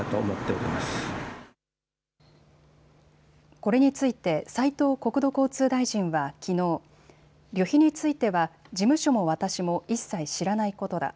これについて斉藤国土交通大臣はきのう、旅費については事務所も私も一切知らないことだ。